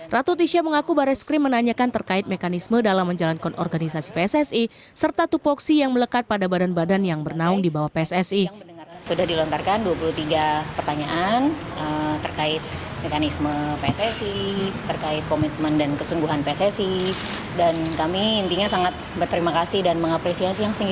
ratu tisya mengaku barreskrim menanyakan terkait mekanisme dalam menjalankan organisasi pssi serta tupoksi yang melekat pada badan badan yang bernaung di bawah pssi